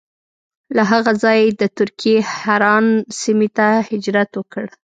له هغه ځایه یې د ترکیې حران سیمې ته هجرت وکړ.